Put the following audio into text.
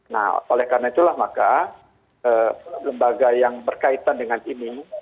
nah oleh karena itulah maka lembaga yang berkaitan dengan ini